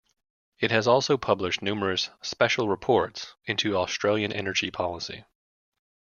It has also published numerous "special reports" into Australian energy policy.